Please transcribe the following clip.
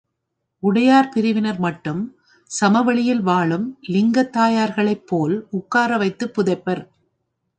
உடையார் பிரிவினர் மட்டும், சமவெளியில் வாழும் லிங்காயத்தார்களைப்போல் உட்கார வைத்துப் புதைப்பர்.